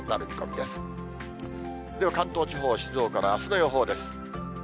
では、関東地方、静岡のあすの予報です。